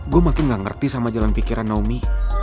gue makin gak ngerti sama jalan pikiran naomi